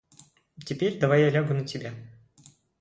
Теперь давай я лягу на тебя.